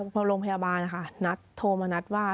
พอโรงพยาบาลนะคะนัดโทรมานัดว่า